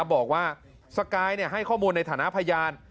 บอกว่าสกายให้ข้อมูลในฐานะพยาน